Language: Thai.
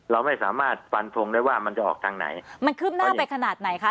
เราไม่สามารถฟันทงได้ว่ามันจะออกทางไหนมันขึ้นหน้าไปขนาดไหนคะ